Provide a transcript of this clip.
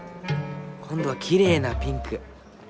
今度はきれいなピンク。